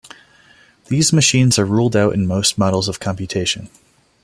These machines are ruled out in most models of computation.